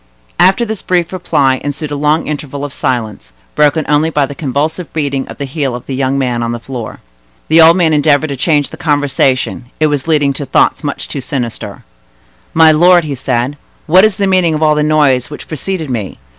After this brief reply ensued a long interval of silence, broken only by the convulsive beating of the heel of the young man on the floor. The old man endeavored to change the conversation; it was leading to thoughts much too sinister. "My lord," said he, "what is the meaning of all the noise which preceded me?